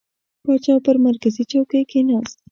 پاچا به پر مرکزي چوکۍ کښېنست.